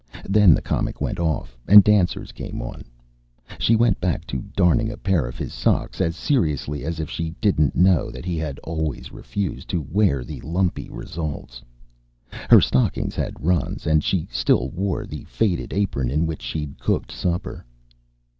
Then the comic went off, and dancers came on. She went back to darning a pair of his socks, as seriously as if she didn't know that he had always refused to wear the lumpy results. Her stockings had runs, and she still wore the faded apron in which she'd cooked supper.